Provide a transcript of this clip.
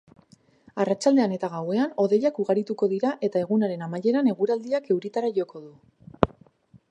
Arratsaldean eta gauean hodeiak ugarituko dira eta egunaren amaieran eguraldiak euritara joko du.